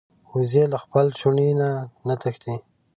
وزې له خپل چوڼي نه نه تښتي